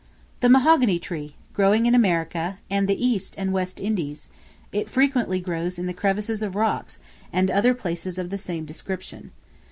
The Mahogany Tree, growing in America, and the East and West Indies; it frequently grows in the crevices of rocks, and other places of the same description.